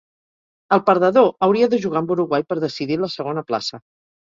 El perdedor hauria de jugar amb Uruguai per decidir la segona plaça.